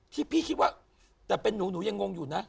ที่พี่คิดว่าแต่เป็นนูยังงงอยู่นะ